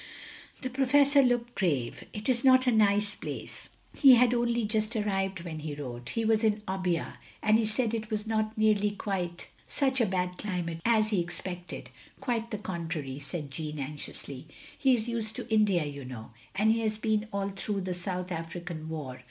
The Professor looked grave. " It is not a nice place. " "He had only just arrived when he wrote. OP GROSVENOR SQUARE 223 He was at Obbia; and he said it was not nearly such a bad climate as he expected. Quite the contrary," said Jeanne, anxiously. "He is used to India, you know, and he has been all through the South African War.